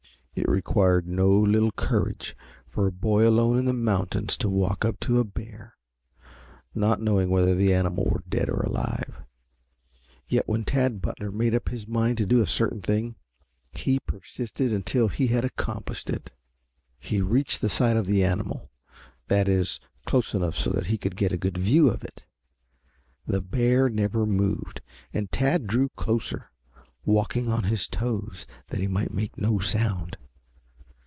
It required no little courage for a boy alone in the mountains to walk up to a bear, not knowing whether the animal were dead or alive. Yet when Tad Butler made up his mind to do a certain thing, he persisted until he had accomplished it. He reached the side of the animal, that is, close enough so that he could get a good view of it. The bear never moved and Tad drew closer, walking on his toes that he might make no sound.